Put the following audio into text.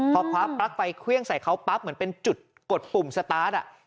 พอคว้าปลั๊กไฟเครื่องใส่เขาปั๊บเหมือนเป็นจุดกดปุ่มสตาร์ท